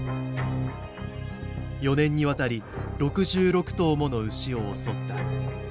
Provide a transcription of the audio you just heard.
４年にわたり６６頭もの牛を襲った。